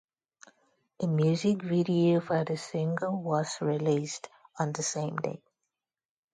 A music video for the single was released on the same day.